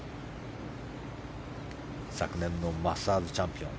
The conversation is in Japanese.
昨年のマスターズチャンピオン。